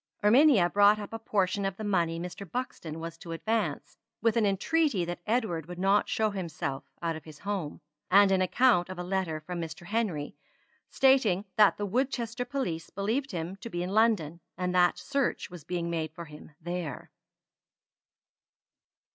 Erminia brought up a portion of the money Mr. Buxton was to advance, with an entreaty that Edward would not show himself out of his home; and an account of a letter from Mr. Henry, stating that the Woodchester police believed him to be in London, and that search was being made for him there.